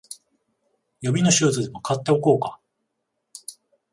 予備のシューズでも買っておこうか